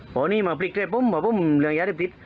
พอนี้มาปลิกเลยผมว่าผมเหลืองยาเรียบทิศ